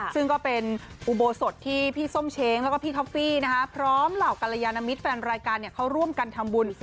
ซึ่งก็เป็นอุโบสถที่พี่ส้มเช้งแล้วก็พี่ท็อฟฟี่พร้อมเหล่ากรยานมิตรแฟนรายการเขาร่วมกันทำบุญ